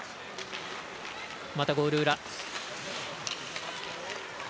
また、ゴール裏。